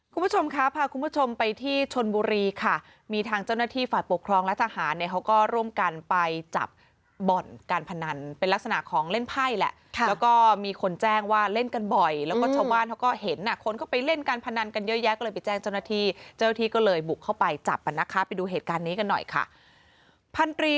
คุณผู้ชมคะพาคุณผู้ชมไปที่ชนบุรีค่ะมีทางเจ้าหน้าที่ฝ่ายปกครองและทหารเนี่ยเขาก็ร่วมกันไปจับบ่อนการพนันเป็นลักษณะของเล่นไพ่แหละแล้วก็มีคนแจ้งว่าเล่นกันบ่อยแล้วก็ชาวบ้านเขาก็เห็นอ่ะคนเข้าไปเล่นการพนันกันเยอะแยะก็เลยไปแจ้งเจ้าหน้าที่เจ้าหน้าที่ก็เลยบุกเข้าไปจับอ่ะนะคะไปดูเหตุการณ์นี้กันหน่อยค่ะพันธ